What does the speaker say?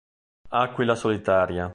Aquila solitaria